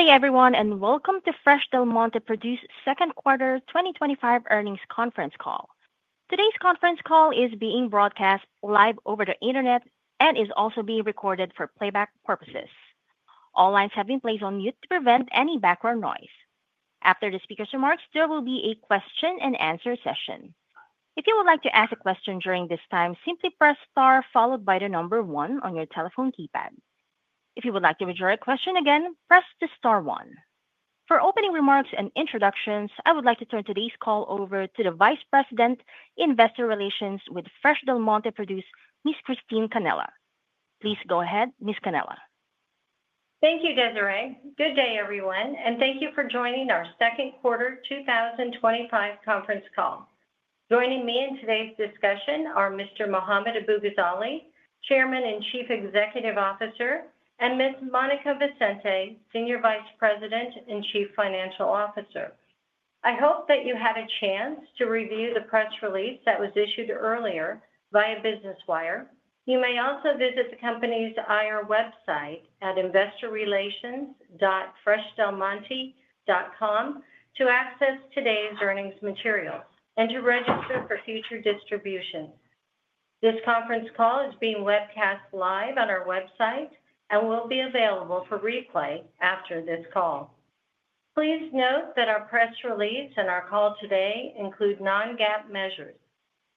Good day, everyone, and welcome to Fresh Del Monte Produce Second Quarter 2025 Earnings Conference Call. Today's conference call is being broadcast live over the internet and is also being recorded for playback purposes. All lines have been placed on mute to prevent any background noise. After the speaker's remarks, there will be a question and answer session. If you would like to ask a question during this time, simply press star followed by the number one on your telephone keypad. If you would like to withdraw a question, again, press the star one. For opening remarks and introductions, I would like to turn today's call over to the Vice President of Investor Relations with Fresh Del Monte Produce, Ms. Christine Cannella. Please go ahead, Ms. Cannella. Thank you, Desiree. Good day, everyone, and thank you for joining our second quarter 2025 conference call. Joining me in today's discussion are Mr. Mohammad Abu-Ghazaleh, Chairman and Chief Executive Officer, and Ms. Monica Vicente, Senior Vice President and Chief Financial Officer. I hope that you had a chance to review the press release that was issued earlier via Business Wire. You may also visit the company's IR website at investorrelations.freshdelmonte.com to access today's earnings materials and to register for future distribution. This conference call is being webcast live on our website and will be available for replay after this call. Please note that our press release and our call today include non-GAAP measures.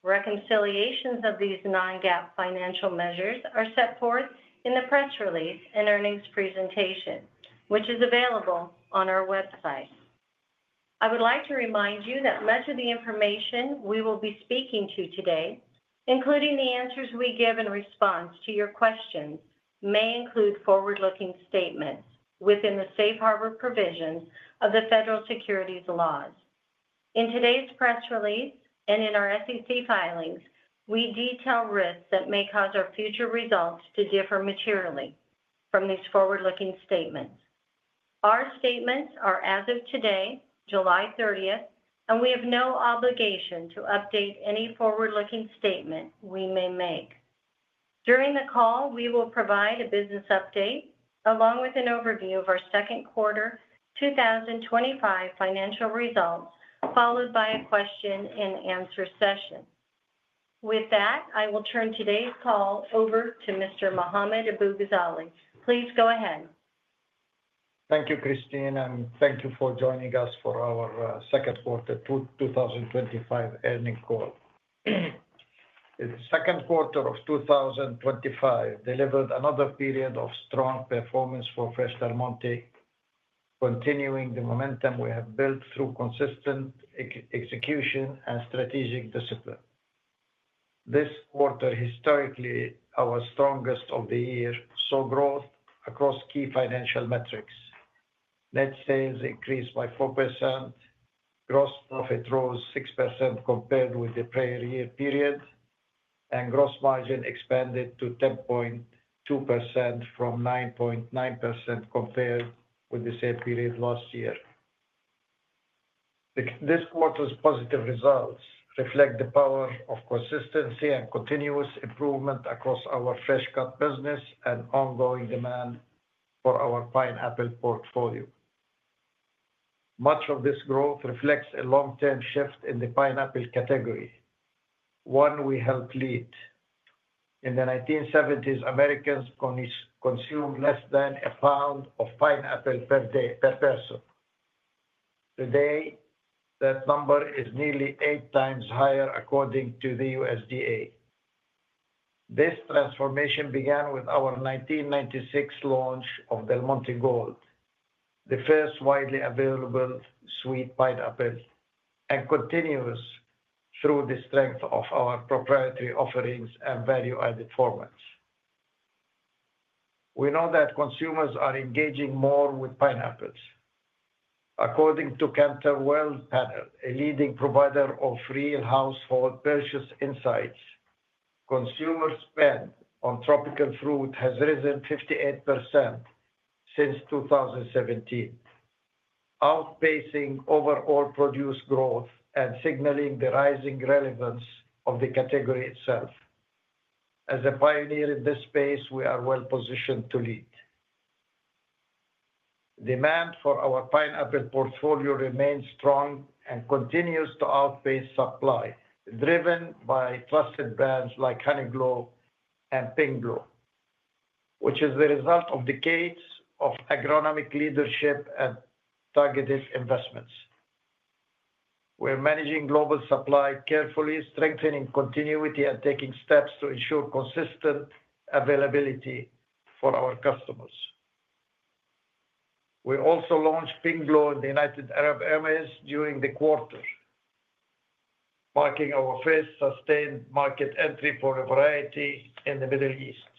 Reconciliations of these non-GAAP financial measures are set forth in the press release and earnings presentation, which is available on our website. I would like to remind you that much of the information we will be speaking to today, including the answers we give in response to your questions, may include forward-looking statements within the safe harbor provisions of the Federal Securities Laws. In today's press release and in our SEC filings, we detail risks that may cause our future results to differ materially from these forward-looking statements. Our statements are as of today, July 30, and we have no obligation to update any forward-looking statement we may make. During the call, we will provide a business update along with an overview of our second quarter 2025 financial results, followed by a question and answer session. With that, I will turn today's call over to Mr. Mohammad Abu-Ghazaleh. Please go ahead. Thank you, Christine, and thank you for joining us for our second quarter 2025 earnings call. The second quarter of 2025 delivered another period of strong performance for Fresh Del Monte, continuing the momentum we have built through consistent execution and strategic discipline. This quarter, historically our strongest of the year, saw growth across key financial metrics. Net sales increased by 4%, gross profit rose 6% compared with the prior year period, and gross margin expanded to 10.2% from 9.9% compared with the same period last year. This quarter's positive results reflect the power of consistency and continuous improvement across our fresh-cut fruit business and ongoing demand for our pineapple portfolio. Much of this growth reflects a long-term shift in the pineapple category, one we helped lead. In the 1970s, Americans consumed less than a pound of pineapple per person per year. Today, that number is nearly eight times higher according to the USDA. This transformation began with our 1996 launch of Del Monte Gold, the first widely available sweet pineapple, and continues through the strength of our proprietary offerings and value-added formats. We know that consumers are engaging more with pineapples. According to Kantar Worldpanel, a leading provider of real household purchase insights, consumer spend on tropical fruit has risen 58% since 2017, outpacing overall produce growth and signaling the rising relevance of the category itself. As a pioneer in this space, we are well positioned to lead. Demand for our pineapple portfolio remains strong and continues to outpace supply, driven by trusted brands like Honeyglow and Pinkglow, which is the result of decades of agronomic leadership and targeted investments. We're managing global supply carefully, strengthening continuity, and taking steps to ensure consistent availability for our customers. We also launched Pinkglow in the United Arab Emirates during the quarter, marking our first sustained market entry for a variety in the Middle East.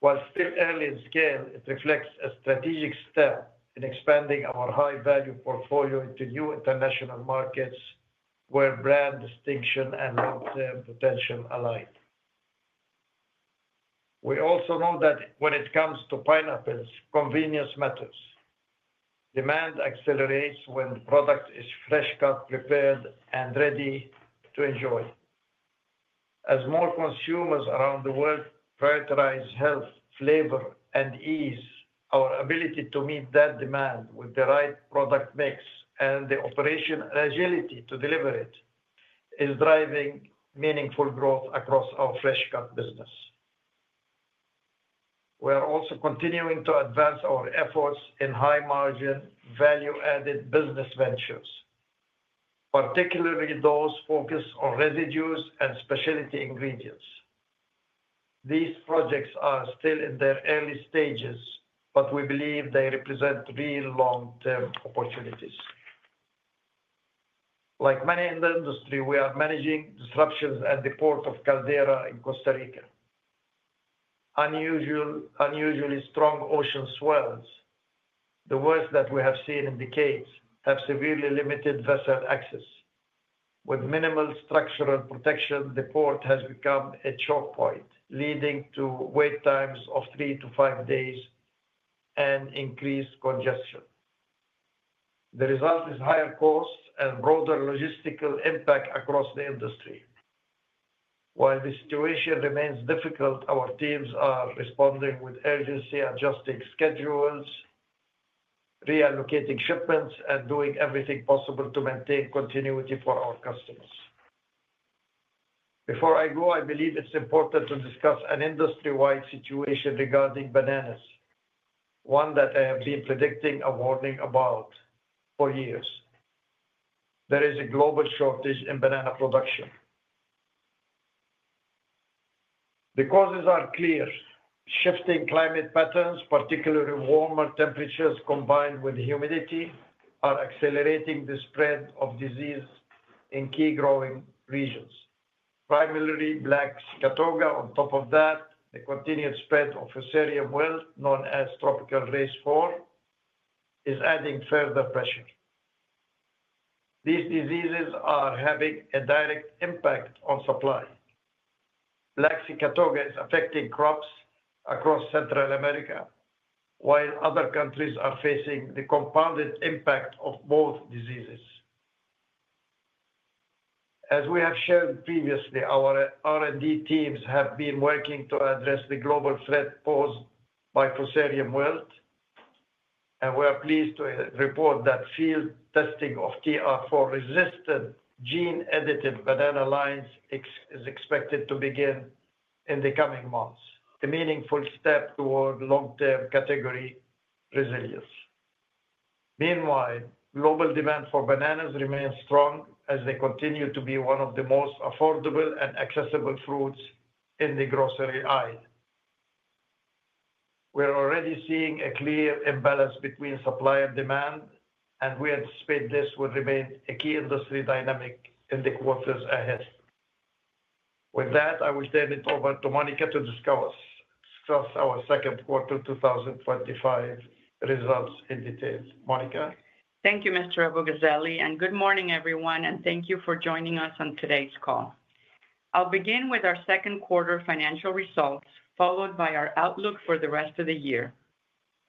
While still early in scale, it reflects a strategic step in expanding our high-value portfolio into new international markets where brand distinction and long-term potential align. We also know that when it comes to pineapples, convenience matters. Demand accelerates when the product is fresh-cut, prepared, and ready to enjoy. As more consumers around the world prioritize health, flavor, and ease, our ability to meet that demand with the right product mix and the operational agility to deliver it is driving meaningful growth across our fresh-cut business. We are also continuing to advance our efforts in high-margin value-added business ventures, particularly those focused on residues and specialty ingredients. These projects are still in their early stages, but we believe they represent real long-term opportunities. Like many in the industry, we are managing disruptions at the Port of Caldera in Costa Rica. Unusually strong ocean swells, the worst that we have seen in decades, have severely limited vessel access. With minimal structural protection, the port has become a choke point, leading to wait times of three to five days and increased congestion. The result is higher costs and broader logistical impact across the industry. While the situation remains difficult, our teams are responding with urgency, adjusting schedules, reallocating shipments, and doing everything possible to maintain continuity for our customers. Before I go, I believe it's important to discuss an industry-wide situation regarding bananas, one that I have been predicting and warning about for years. There is a global shortage in banana production. The causes are clear. Shifting climate patterns, particularly warmer temperatures combined with humidity, are accelerating the spread of disease in key growing regions. Primarily Black Sigatoka. On top of that, the continued spread of Fusarium Wilt known as Tropical Race 4 is adding further pressure. These diseases are having a direct impact on supply. Black Sigatoka is affecting crops across Central America, while other countries are facing the compounded impact of both diseases. As we have shared previously, our R&D teams have been working to address the global threat posed by Fusarium Wilt, and we are pleased to report that field testing of TR4-resistant gene-edited banana lines is expected to begin in the coming months, a meaningful step toward long-term category resilience. Meanwhile, global demand for bananas remains strong as they continue to be one of the most affordable and accessible fruits in the grocery aisle. We're already seeing a clear imbalance between supply and demand, and we anticipate this will remain a key industry dynamic in the quarters ahead. With that, I will turn it over to Monica to discuss our second quarter 2025 results in detail. Monica? Thank you, Mr. Abu-Ghazaleh, and good morning, everyone, and thank you for joining us on today's call. I'll begin with our second quarter financial results, followed by our outlook for the rest of the year.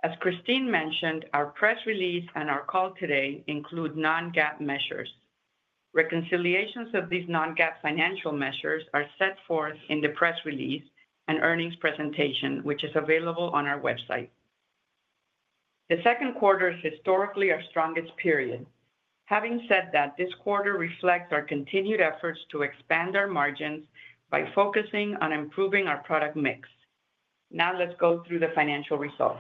As Christine mentioned, our press release and our call today include non-GAAP measures. Reconciliations of these non-GAAP financial measures are set forth in the press release and earnings presentation, which is available on our website. The second quarter is historically our strongest period. Having said that, this quarter reflects our continued efforts to expand our margins by focusing on improving our product mix. Now, let's go through the financial results.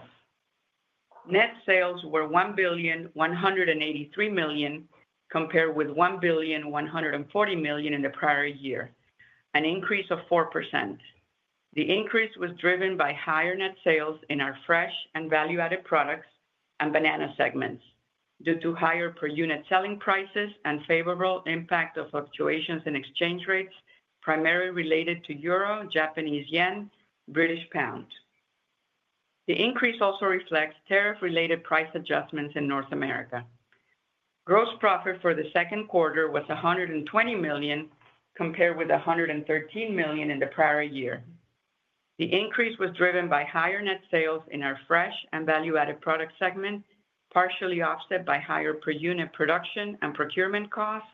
Net sales were $1.183 billion, compared with $1.14 billion in the prior year, an increase of 4%. The increase was driven by higher net sales in our fresh and value-added products and banana segments due to higher per unit selling prices and favorable impact of fluctuations in exchange rates, primarily related to euro, Japanese yen, and British pound. The increase also reflects tariff-related price adjustments in North America. Gross profit for the second quarter was $120 million compared with $113 million in the prior year. The increase was driven by higher net sales in our fresh and value-added product segment, partially offset by higher per unit production and procurement costs,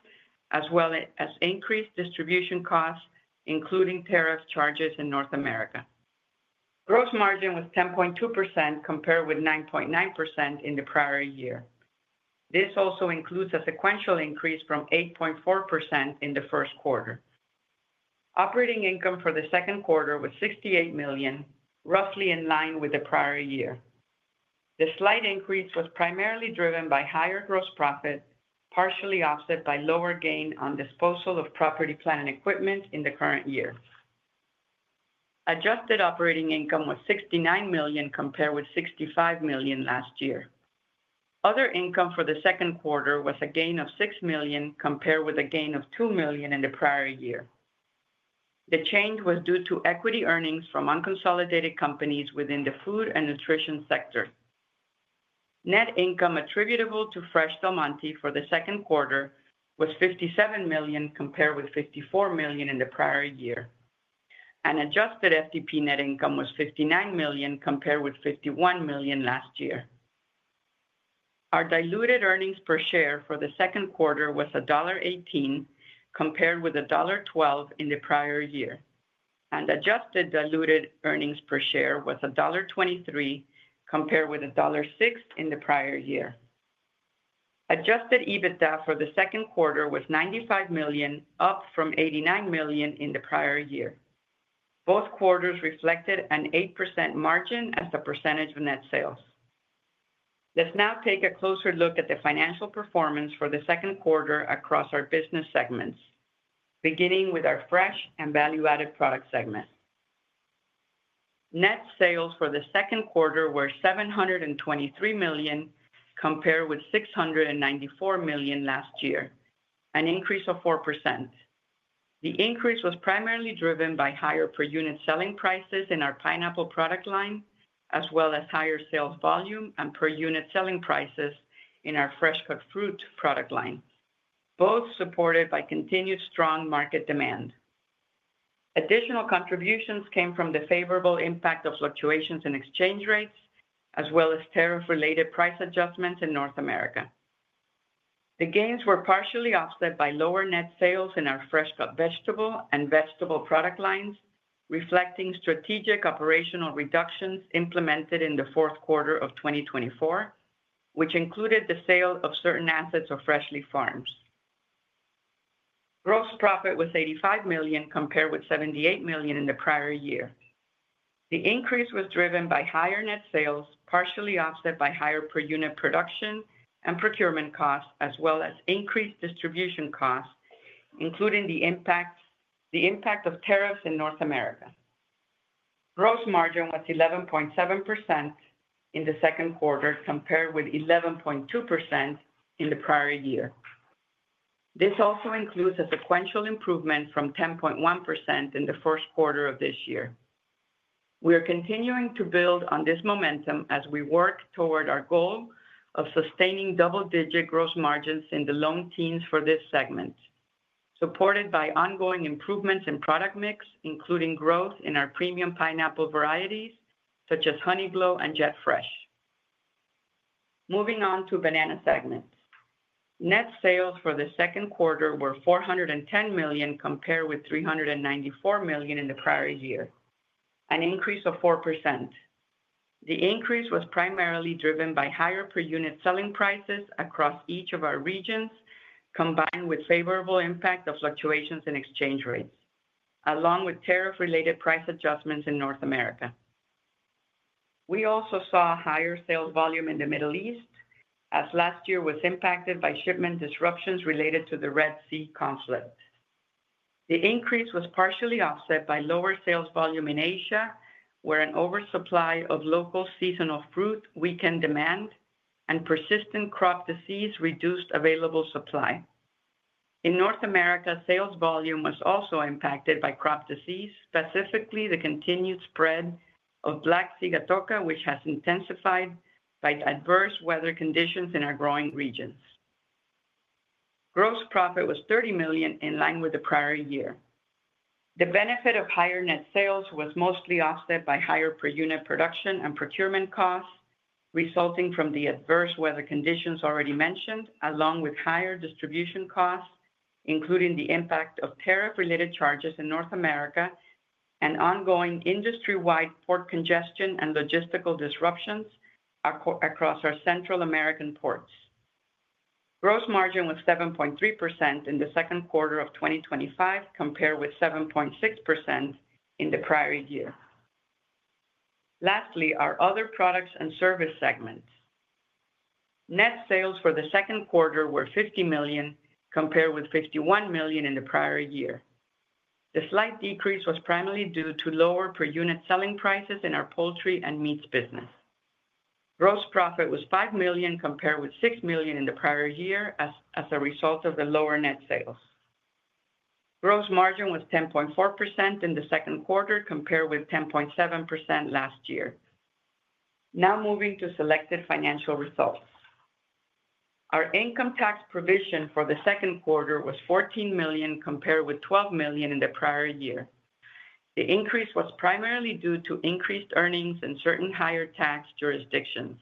as well as increased distribution costs, including tariff charges in North America. Gross margin was 10.2%, compared with 9.9% in the prior year. This also includes a sequential increase from 8.4% in the first quarter. Operating income for the second quarter was $68 million, roughly in line with the prior year. The slight increase was primarily driven by higher gross profit, partially offset by lower gain on disposal of property, plant, and equipment in the current year. Adjusted operating income was $69 million compared with $65 million last year. Other income for the second quarter was a gain of $6 million, compared with a gain of $2 million in the prior year. The change was due to equity earnings from unconsolidated companies within the food and nutrition sector. Net income attributable to Fresh Del Monte for the second quarter was $57 million compared with $54 million in the prior year. Adjusted FDP net income was $59 million compared with $51 million last year. Our diluted earnings per share for the second quarter was $1.18, compared with $1.12 in the prior year. Adjusted diluted earnings per share was $1.23, compared with $1.06 in the prior year. Adjusted EBITDA for the second quarter was $95 million, up from $89 million in the prior year. Both quarters reflected an 8% margin as the percentage of net sales. Let's now take a closer look at the financial performance for the second quarter across our business segments, beginning with our fresh and value-added product segment. Net sales for the second quarter were $723 million, compared with $694 million last year, an increase of 4%. The increase was primarily driven by higher per unit selling prices in our pineapple product line, as well as higher sales volume and per unit selling prices in our fresh-cut fruit product line, both supported by continued strong market demand. Additional contributions came from the favorable impact of fluctuations in exchange rates, as well as tariff-related price adjustments in North America. The gains were partially offset by lower net sales in our fresh-cut vegetable and vegetable product lines, reflecting strategic operational reductions implemented in the fourth quarter of 2024, which included the sale of certain assets or Freshly Farmed. Gross profit was $85 million, compared with $78 million in the prior year. The increase was driven by higher net sales, partially offset by higher per unit production and procurement costs, as well as increased distribution costs, including the impact of tariffs in North America. Gross margin was 11.7% in the second quarter, compared with 11.2% in the prior year. This also includes a sequential improvement from 10.1% in the first quarter of this year. We are continuing to build on this momentum as we work toward our goal of sustaining double-digit gross margins in the low teens for this segment, supported by ongoing improvements in product mix, including growth in our premium pineapple varieties such as Honeyglow and Jet Fresh. Moving on to the banana segment. Net sales for the second quarter were $410 million, compared with $394 million in the prior year, an increase of 4%. The increase was primarily driven by higher per unit selling prices across each of our regions, combined with favorable impact of fluctuations in exchange rates, along with tariff-related price adjustments in North America. We also saw a higher sales volume in the Middle East, as last year was impacted by shipment disruptions related to the Red Sea conflict. The increase was partially offset by lower sales volume in Asia, where an oversupply of local seasonal fruit weakened demand and persistent crop disease reduced available supply. In North America, sales volume was also impacted by crop disease, specifically the continued spread of Black Sigatoka, which has intensified by adverse weather conditions in our growing regions. Gross profit was $30 million, in line with the prior year. The benefit of higher net sales was mostly offset by higher per unit production and procurement costs, resulting from the adverse weather conditions already mentioned, along with higher distribution costs, including the impact of tariff-related charges in North America and ongoing industry-wide port congestion and logistical disruptions across our Central American ports. Gross margin was 7.3% in the second quarter of 2025, compared with 7.6% in the prior year. Lastly, our other products and service segment. Net sales for the second quarter were $50 million, compared with $51 million in the prior year. The slight decrease was primarily due to lower per unit selling prices in our poultry and meats business. Gross profit was $5 million, compared with $6 million in the prior year as a result of the lower net sales. Gross margin was 10.4% in the second quarter, compared with 10.7% last year. Now moving to selected financial results. Our income tax provision for the second quarter was $14 million, compared with $12 million in the prior year. The increase was primarily due to increased earnings in certain higher tax jurisdictions.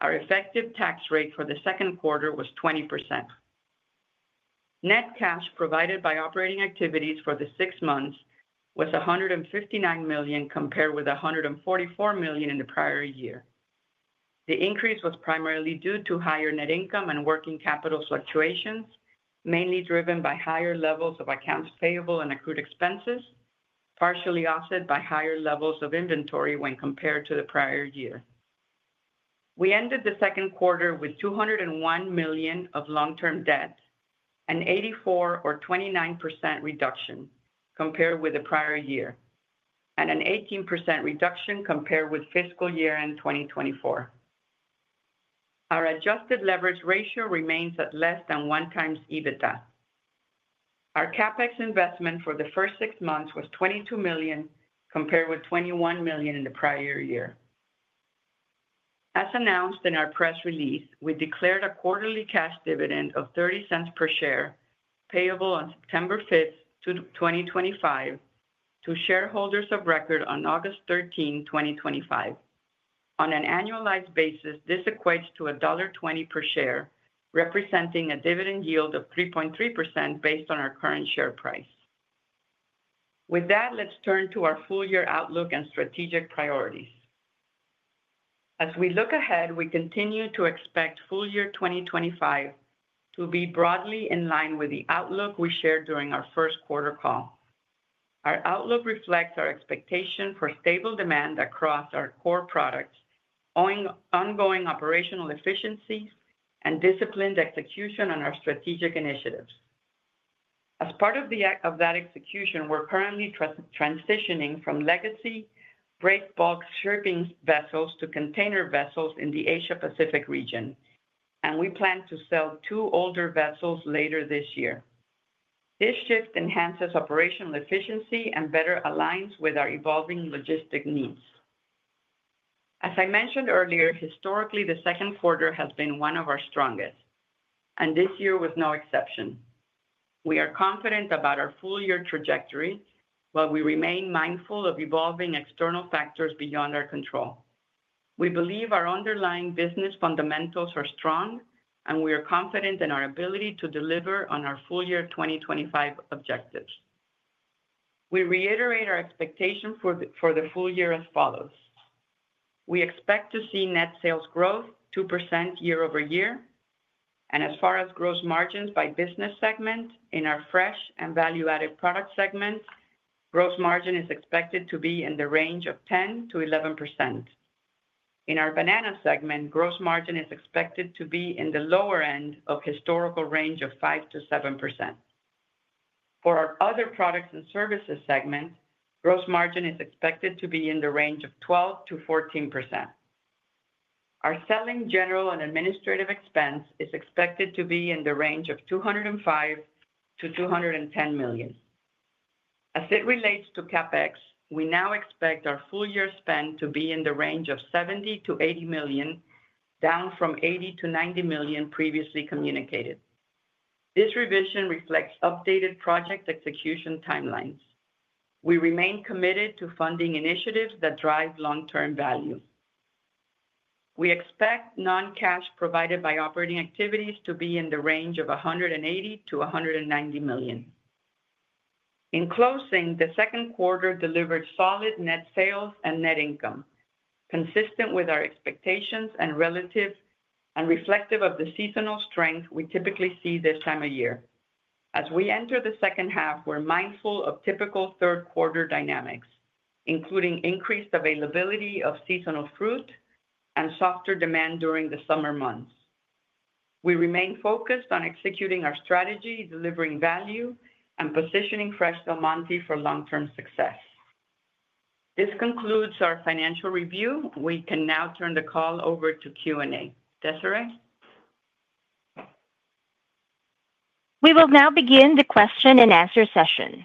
Our effective tax rate for the second quarter was 20%. Net cash provided by operating activities for the six months was $159 million, compared with $144 million in the prior year. The increase was primarily due to higher net income and working capital fluctuations, mainly driven by higher levels of accounts payable and accrued expenses, partially offset by higher levels of inventory when compared to the prior year. We ended the second quarter with $201 million of long-term debt, an 84% or 29% reduction compared with the prior year, and an 18% reduction compared with fiscal year end 2024. Our adjusted leverage ratio remains at less than one times EBITDA. Our CapEx investment for the first six months was $22 million, compared with $21 million in the prior year. As announced in our press release, we declared a quarterly cash dividend of $0.30 per share, payable on September 5, 2025, to shareholders of record on August 13, 2025. On an annualized basis, this equates to $1.20 per share, representing a dividend yield of 3.3% based on our current share price. With that, let's turn to our full-year outlook and strategic priorities. As we look ahead, we continue to expect full-year 2025 to be broadly in line with the outlook we shared during our first quarter call. Our outlook reflects our expectation for stable demand across our core products, owing to ongoing operational efficiencies and disciplined execution on our strategic initiatives. As part of that execution, we're currently transitioning from legacy breakbulk shipping vessels to container vessels in the Asia-Pacific region, and we plan to sell two older vessels later this year. This shift enhances operational efficiency and better aligns with our evolving logistic needs. As I mentioned earlier, historically, the second quarter has been one of our strongest, and this year was no exception. We are confident about our full-year trajectory, while we remain mindful of evolving external factors beyond our control. We believe our underlying business fundamentals are strong, and we are confident in our ability to deliver on our full-year 2025 objectives. We reiterate our expectations for the full year as follows. We expect to see net sales growth of 2% year-over-year, and as far as gross margins by business segment, in our fresh and value-added product segment, gross margin is expected to be in the range of 10%-11%. In our banana segment, gross margin is expected to be in the lower end of the historical range of 5%-7%. For our other products and services segment, gross margin is expected to be in the range of 12%-14%. Our selling, general, and administrative expense is expected to be in the range of $205 million-$210 million. As it relates to CapEx, we now expect our full-year spend to be in the range of $70 million-$80 million, down from $80 million-$90 million previously communicated. This revision reflects updated project execution timelines. We remain committed to funding initiatives that drive long-term value. We expect net cash provided by operating activities to be in the range of $180 million-$190 million. In closing, the second quarter delivered solid net sales and net income, consistent with our expectations and reflective of the seasonal strength we typically see this time of year. As we enter the second half, we're mindful of typical third-quarter dynamics, including increased availability of seasonal fruit and softer demand during the summer months. We remain focused on executing our strategy, delivering value, and positioning Fresh Del Monte for long-term success. This concludes our financial review. We can now turn the call over to Q&A. Desiree? We will now begin the question and answer session.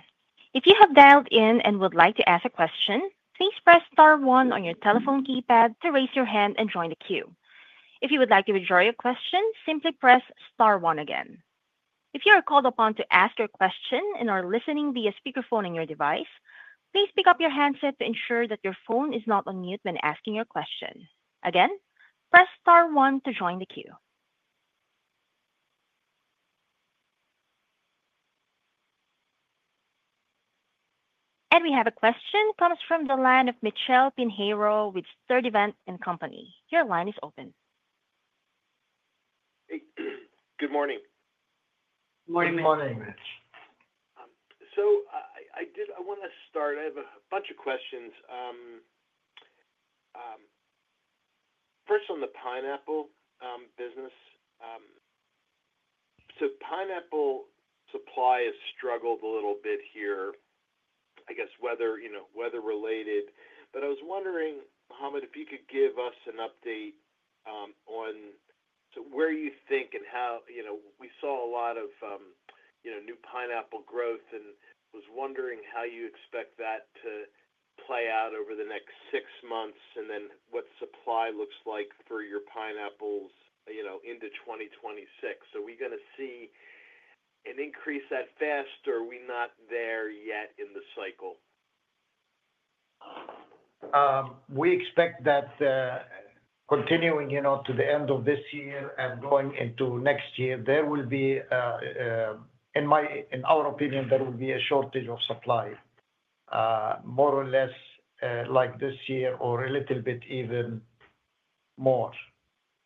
If you have dialed in and would like to ask a question, please press star one on your telephone keypad to raise your hand and join the queue. If you would like to withdraw your question, simply press star one again. If you are called upon to ask your question and are listening via speakerphone on your device, please pick up your handset to ensure that your phone is not on mute when asking your question. Again, press star one to join the queue. We have a question that comes from the line of Mitchell Pinheiro with Sturdivant & Co. Your line is open. Good morning. Morning, Mitch. I want to start. I have a bunch of questions. First, on the pineapple business. Pineapple supply has struggled a little bit here, I guess weather, you know, weather-related. I was wondering, Mohammad, if you could give us an update on where you think and how, you know, we saw a lot of, you know, new pineapple growth and was wondering how you expect that to play out over the next six months and then what supply looks like for your pineapples, you know, into 2026. Are we going to see an increase that fast or are we not there yet in the cycle? We expect that continuing to the end of this year and going into next year, there will be, in our opinion, a shortage of supply, more or less like this year or a little bit even more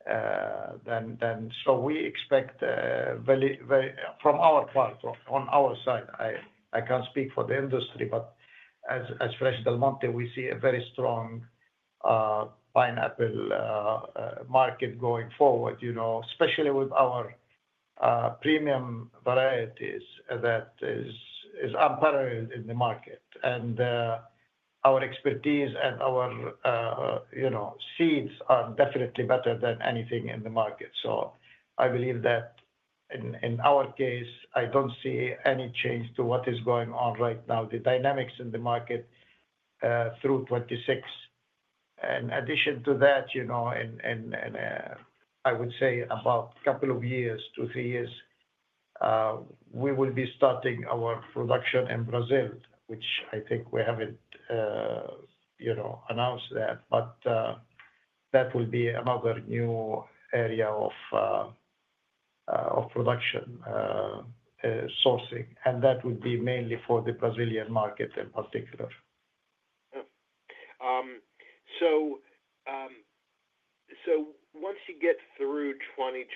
than then. We expect very, very, from our part on our side, I can't speak for the industry, but as Fresh Del Monte, we see a very strong pineapple market going forward, especially with our premium varieties that are unparalleled in the market. Our expertise and our seeds are definitely better than anything in the market. I believe that in our case, I don't see any change to what is going on right now, the dynamics in the market through 2026. In addition to that, in, I would say, about a couple of years, two, three years, we will be starting our production in Brazil, which I think we haven't announced yet, but that will be another new area of production sourcing. That would be mainly for the Brazilian market in particular. Once you get through 2026,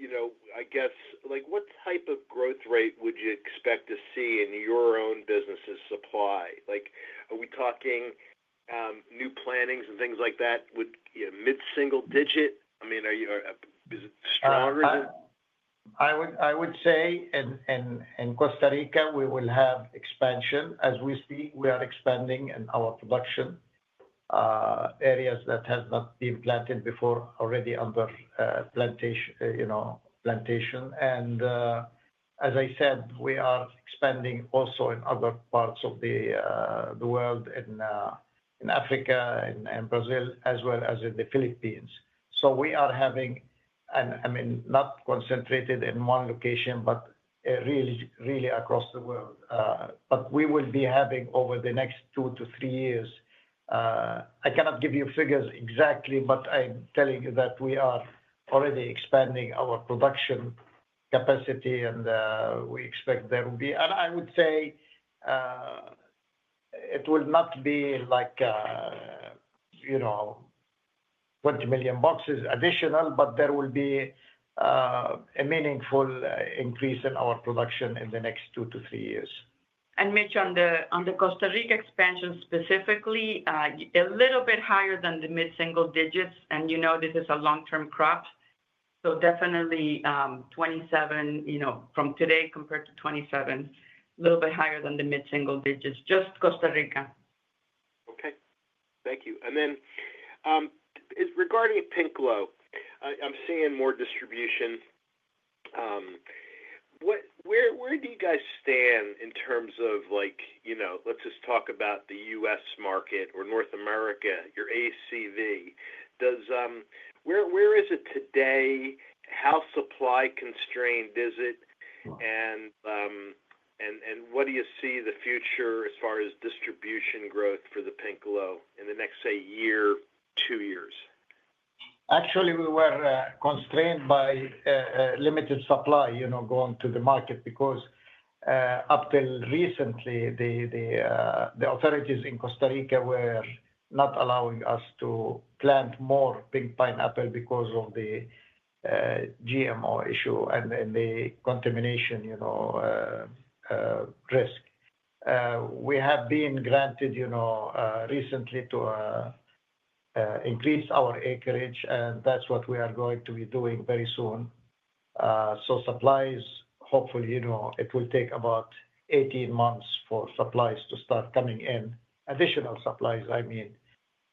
you know, I guess, like, what type of growth rate would you expect to see in your own business's supply? Like, are we talking new plantings and things like that with, you know, mid-single digit? I mean, are you? I would say in Costa Rica, we will have expansion as we see we are expanding in our production areas that have not been planted before, already under plantation, plantation. As I said, we are expanding also in other parts of the world, in Africa, in Brazil, as well as in the Philippines. We are having, not concentrated in one location, but really, really across the world. We will be having over the next two-three years, I cannot give you figures exactly, but I'm telling you that we are already expanding our production capacity and we expect there will be, and I would say it will not be like, you know, 20 million boxes additional, but there will be a meaningful increase in our production in the next two-three years. Mitch, on the Costa Rica expansion specifically, a little bit higher than the mid-single digits, and you know this is a long-term crop. Definitely 2027, you know, from today compared to 2027, a little bit higher than the mid-single digits, just Costa Rica. Okay. Thank you. Regarding Pinkglow, I'm seeing more distribution. Where do you guys stand in terms of, like, you know, let's just talk about the U.S. market or North America, your ACV. Where is it today? How supply-constrained is it? What do you see the future as far as distribution growth for the Pinkglow in the next, say, year, two years? Actually, we were constrained by limited supply, you know, going to the market because up till recently, the authorities in Costa Rica were not allowing us to plant more pink pineapple because of the GMO issue and the contamination, you know, risk. We have been granted, you know, recently to increase our acreage, and that's what we are going to be doing very soon. Supplies, hopefully, you know, it will take about 18 months for supplies to start coming in, additional supplies, I mean.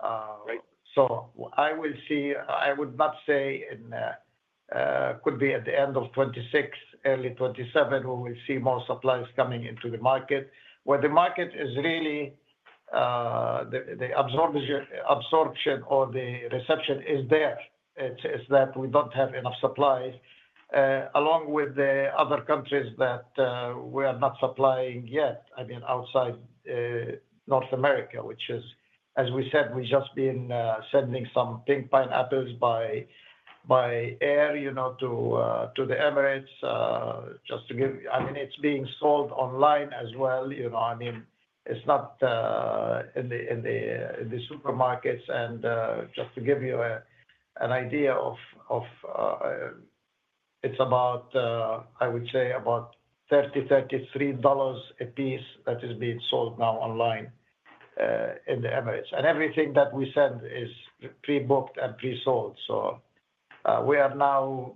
I would not say in, could be at the end of 2026, early 2027, we will see more supplies coming into the market. Where the market is really, the absorption or the reception is there. It's that we don't have enough supplies, along with the other countries that we are not supplying yet. I mean, outside North America, which is, as we said, we've just been sending some pink pineapples by air, you know, to the Emirates. Just to give, I mean, it's being sold online as well, you know, I mean, it's not in the supermarkets. Just to give you an idea of, it's about, I would say, about $30, $33 a piece that is being sold now online in the Emirates. Everything that we send is pre-booked and pre-sold. We are now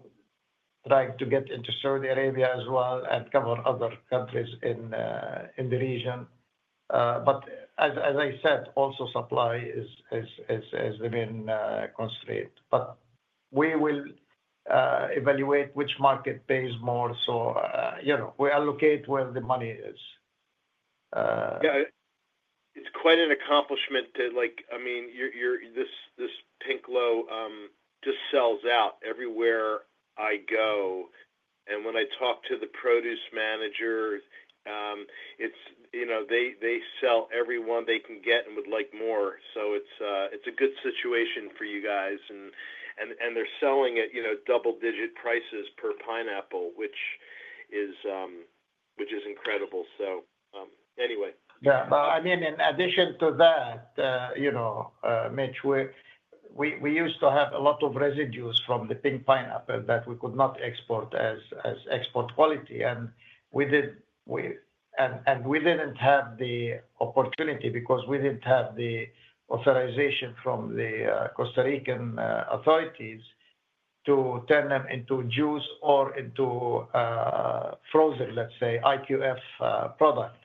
trying to get into Saudi Arabia as well and cover other countries in the region. As I said, also supply has been constrained. We will evaluate which market pays more. You know, we allocate where the money is. Yeah. It's quite an accomplishment to, like, I mean, this Pinkglow just sells out everywhere I go. When I talk to the produce managers, it's, you know, they sell every one they can get and would like more. It's a good situation for you guys. They're selling at double-digit prices per pineapple, which is incredible. Anyway. Yeah. I mean, in addition to that, you know, Mitch, we used to have a lot of residues from the pink pineapple that we could not export as export quality. We didn't have the opportunity because we didn't have the authorization from the Costa Rican authorities to turn them into juice or into frozen, let's say, IQF product.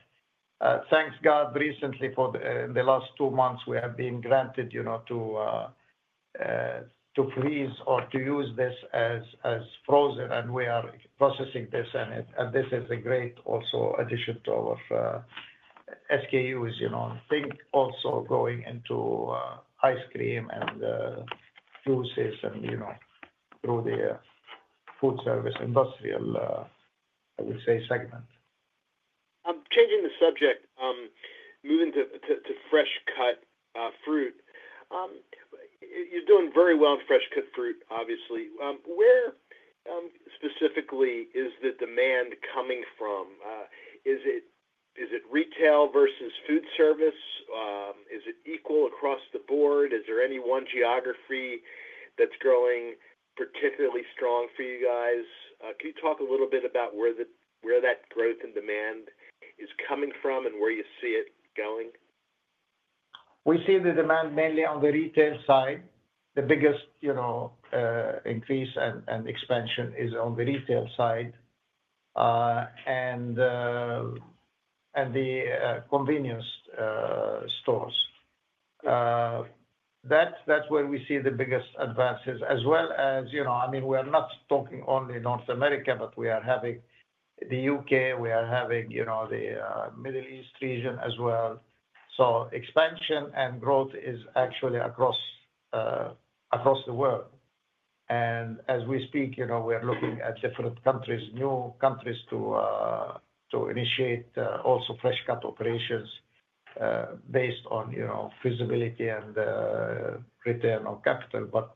Thanks God, recently, in the last two months, we have been granted, you know, to freeze or to use this as frozen. We are processing this. This is a great also addition to our SKU portfolio, you know, and Pink also going into ice cream and juices, you know, through the food service industrial, I would say, segment. Changing the subject, moving to fresh-cut fruit, you're doing very well in fresh-cut fruit, obviously. Where specifically is the demand coming from? Is it retail versus food service? Is it equal across the board? Is there any one geography that's growing particularly strong for you guys? Can you talk a little bit about where that growth in demand is coming from and where you see it going? We see the demand mainly on the retail side. The biggest increase and expansion is on the retail side and the convenience stores. That's where we see the biggest advances, as well as, I mean, we are not talking only North America, but we are having the UK. We are having the Middle East region as well. Expansion and growth is actually across the world. As we speak, we are looking at different countries, new countries to initiate also fresh-cut operations based on feasibility and return on capital.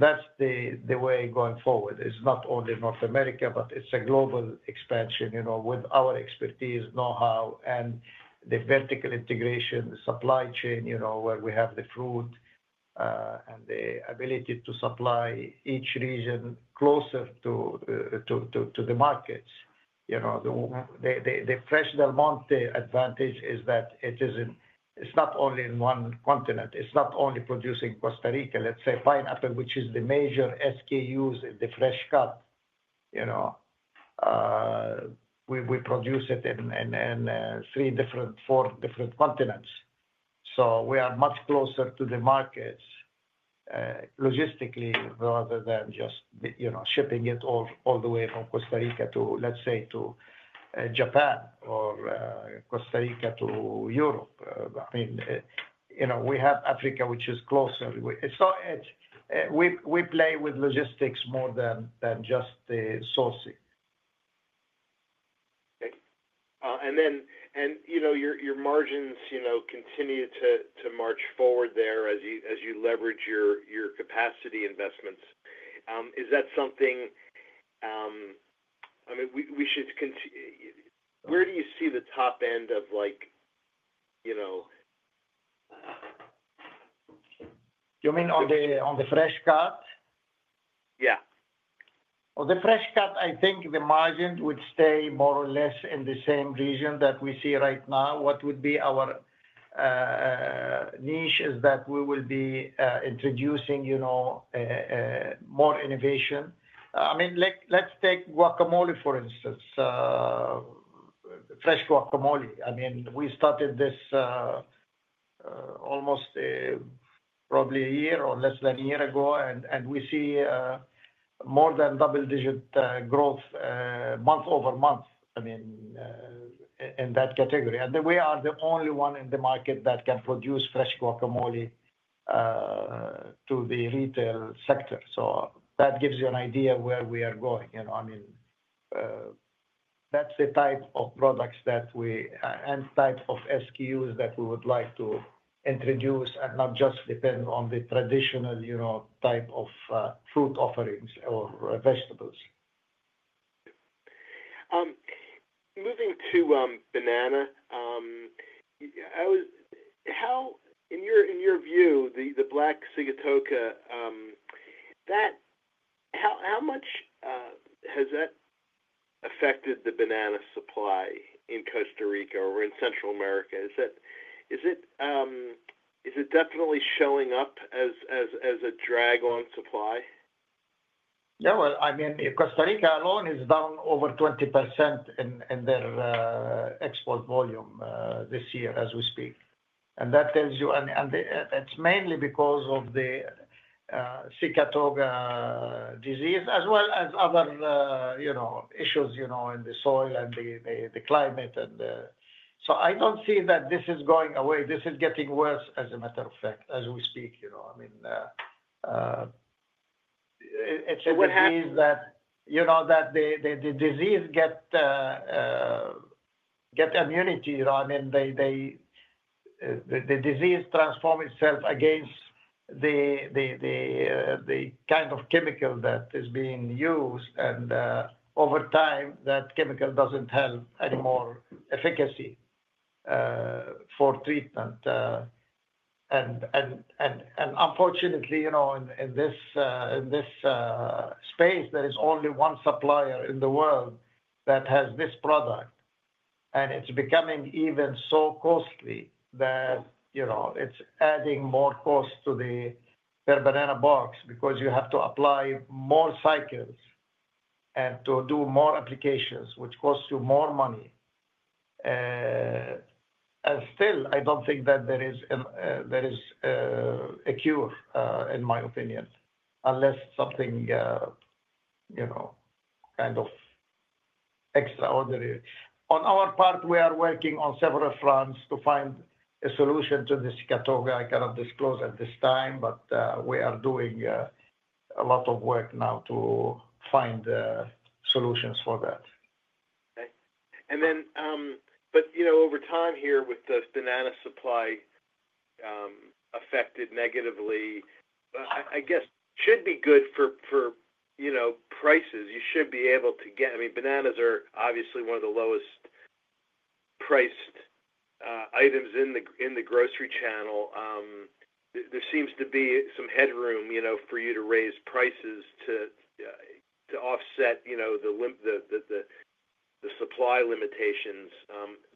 That's the way going forward. It's not only North America, but it's a global expansion with our expertise, know-how, and the vertical integration, the supply chain, where we have the food and the ability to supply each region closer to the markets. The Fresh Del Monte advantage is that it is not only in one continent. It's not only producing Costa Rica, let's say, pineapple, which is the major SKUs in the fresh-cut. We produce it in three different, four different continents. We are much closer to the markets logistically rather than just shipping it all the way from Costa Rica to, let's say, to Japan or Costa Rica to Europe. I mean, we have Africa, which is closer. We play with logistics more than just the sourcing. Your margins continue to march forward there as you leverage your capacity investments. Is that something we should, where do you see the top end of, like, you know? You mean on the fresh-cut fruit? Yeah. On the fresh-cut, I think the margin would stay more or less in the same region that we see right now. What would be our niche is that we will be introducing, you know, more innovation. I mean, let's take guacamole, for instance, fresh guacamole. I mean, we started this almost probably a year or less than a year ago, and we see more than double-digit growth month-over-month in that category. We are the only one in the market that can produce fresh guacamole to the retail sector. That gives you an idea of where we are going. That's the type of products and type of SKUs that we would like to introduce and not just depend on the traditional type of fruit offerings or vegetables. Moving to banana, how, in your view, the Black Sigatoka, how much has that affected the banana supply in Costa Rica or in Central America? Is it definitely showing up as a drag on supply? No. I mean, if Costa Rica alone has done over 20% in their export volume this year as we speak, that tells you, and it's mainly because of the sigatoka disease, as well as other issues in the soil and the climate. I don't see that this is going away. This is getting worse, as a matter of fact, as we speak. It means that the disease gets immunity. The disease transforms itself against the kind of chemical that is being used, and over time, that chemical doesn't have any more efficacy for treatment. Unfortunately, in this space, there is only one supplier in the world that has this product, and it's becoming even so costly that it's adding more cost to the per banana box because you have to apply more cycles and do more applications, which costs you more money. Still, I don't think that there is a cure, in my opinion, unless something kind of extraordinary happens. On our part, we are working on several fronts to find a solution to the sigatoka. I cannot disclose at this time, but we are doing a lot of work now to find the solutions for that. Okay. Over time here with the banana supply affected negatively, I guess it should be good for prices. You should be able to get, I mean, bananas are obviously one of the lowest-priced items in the grocery channel. There seems to be some headroom for you to raise prices to offset the supply limitations.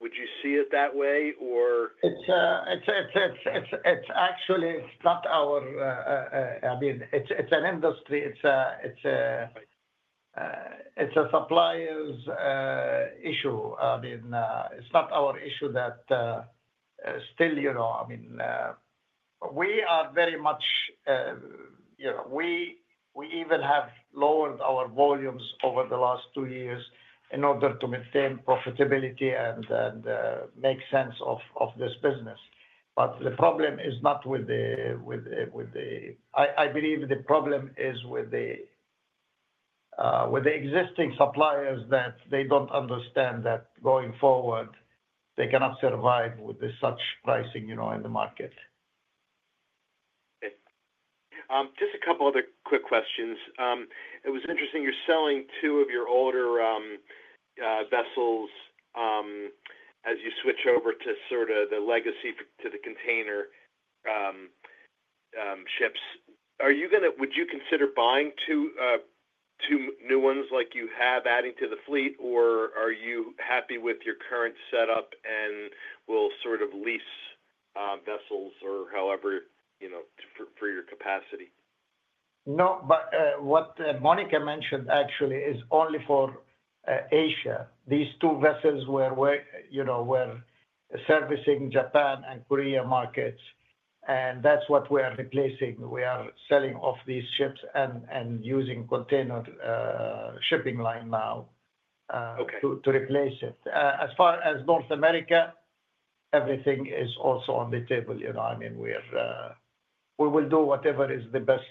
Would you see it that way, or? It's not our, I mean, it's an industry. It's a supplier's issue. I mean, it's not our issue that still, you know, we are very much, you know, we even have lowered our volumes over the last two years in order to maintain profitability and make sense of this business. The problem is not with the, I believe the problem is with the existing suppliers that they don't understand that going forward, they cannot survive with such pricing in the market. Okay. Just a couple of other quick questions. It was interesting. You're selling two of your older vessels as you switch over to sort of the legacy to the container vessels. Are you going to, would you consider buying two new ones like you have adding to the fleet, or are you happy with your current setup and will sort of lease vessels or however, you know, for your capacity? No. What Monica mentioned, actually, is only for Asia. These two vessels were servicing Japan and Korea markets. That's what we are replacing. We are selling off these ships and using container shipping line now to replace it. As far as North America, everything is also on the table. We will do whatever is in the best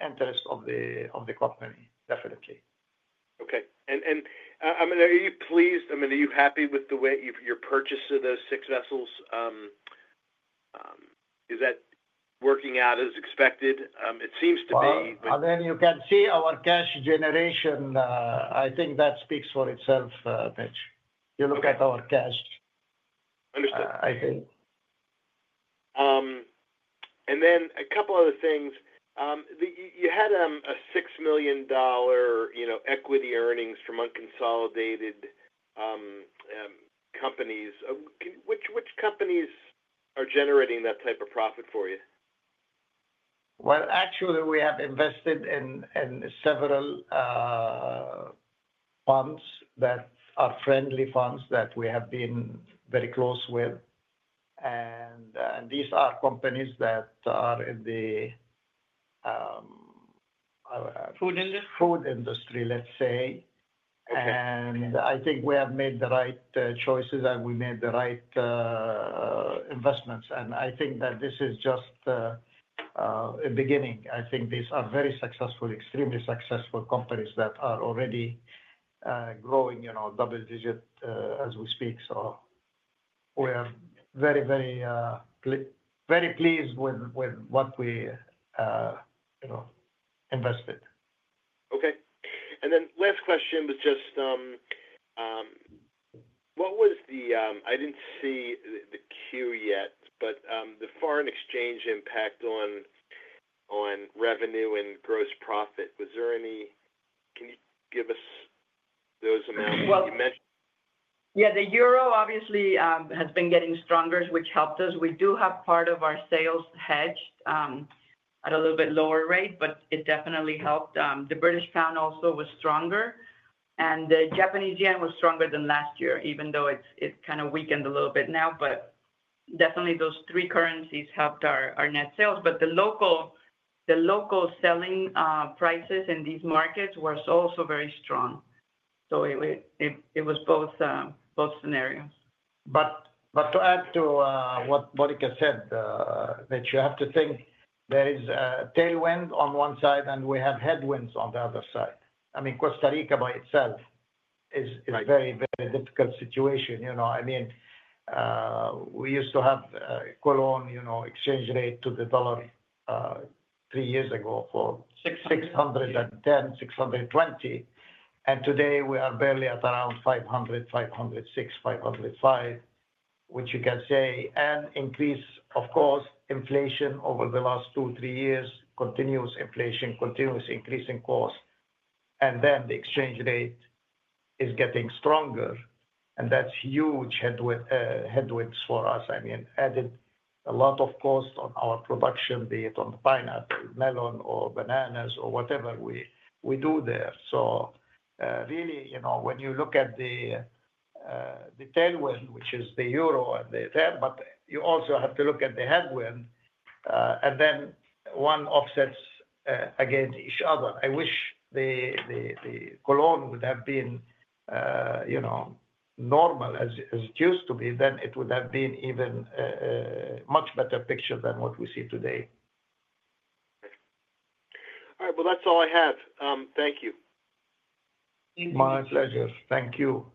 interest of the company, definitely. Okay. I mean, are you pleased? I mean, are you happy with the way you've purchased the six vessels? Is that working out as expected? It seems to be. You can see our cash generation. I think that speaks for itself, Mitch. You look at our cash. Understood. I think. A couple of other things. You had a $6 million equity earnings from unconsolidated companies. Which companies are generating that type of profit for you? Actually, we have invested in several farms that are friendly farms that we have been very close with. These are companies that are in the food industry, let's say. I think we have made the right choices and we made the right investments. I think that this is just a beginning. I think these are very successful, extremely successful companies that are already growing, you know, double digit as we speak. We are very, very, very pleased with what we, you know, invested. Okay. Last question was just, what was the, I didn't see the Q yet, but the foreign exchange impact on revenue and gross profit? Was there any, can you give us those amounts that you mentioned? Yeah. The euro, obviously, has been getting stronger, which helped us. We do have part of our sales hedged at a little bit lower rate, but it definitely helped. The British pound also was stronger. The Japanese yen was stronger than last year, even though it kind of weakened a little bit now. Those three currencies helped our net sales. The local selling prices in these markets were also very strong. It was both scenarios. To add to what Monica said, you have to think there is a tailwind on one side and we have headwinds on the other side. Costa Rica by itself is a very, very difficult situation. We used to have a Colón exchange rate to the dollar three years ago of 610, 620. Today, we are barely at around 500, 506, 505, which you can say, and increase, of course, inflation over the last two, three years, continuous inflation, continuous increasing costs. The exchange rate is getting stronger. That's huge headwinds for us. It added a lot of cost on our production, be it on the pineapple, melon, or bananas, or whatever we do there. When you look at the tailwind, which is the euro, you also have to look at the headwind, and then one offsets against each other. I wish the Colón would have been normal as it used to be, then it would have been even a much better picture than what we see today. All right. That's all I had. Thank you. My pleasure. Thank you.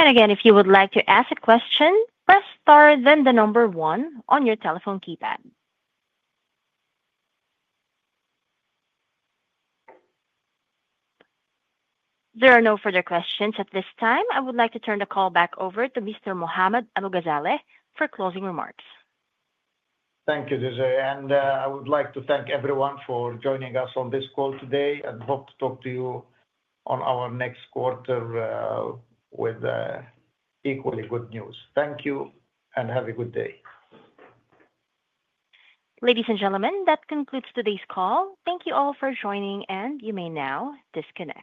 If you would like to ask a question, press star then the number one on your telephone keypad. There are no further questions at this time. I would like to turn the call back over to Mr. Mohammad Abu-Ghazaleh for closing remarks. Thank you, Desiree. I would like to thank everyone for joining us on this call today and hope to talk to you on our next quarter with equally good news. Thank you and have a good day. Ladies and gentlemen, that concludes today's call. Thank you all for joining, and you may now disconnect.